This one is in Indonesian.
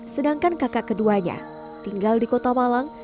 sedangkan kakak keduanya tinggal di kota malang